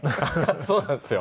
そうなんですよ。